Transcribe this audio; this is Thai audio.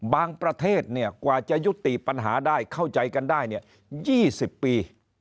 บางประเทศเนี่ยกว่าจะยุติปัญหาได้เข้าใจกันได้เนี่ย๒๐ปี